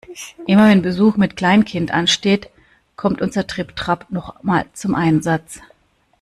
Immer wenn Besuch mit Kleinkind ansteht, kommt unser Tripp-Trapp noch mal zum Einsatz.